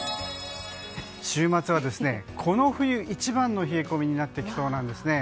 週末はこの冬一番の冷え込みになってきそうなんですね。